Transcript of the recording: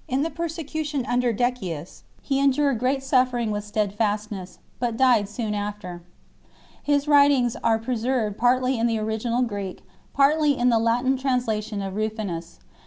| In the persecution under Decius he endured great suffer ing with steadfastness, but died soon after. His writings are preserved partly in the original Greek, partly in the Latin translation of Rufinus.